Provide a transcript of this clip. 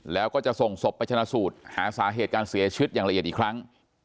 แล้วก็จะส่งศพไปชนะสูตรหาสาเหตุการเสียชีวิตอย่างละเอียดอีกครั้ง